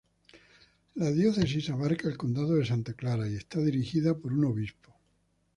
La diócesis abarca el Condado de Santa Clara, y está dirigida por un obispo.